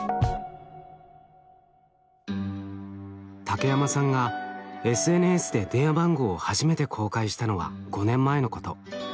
竹山さんがＳＮＳで電話番号を初めて公開したのは５年前のこと。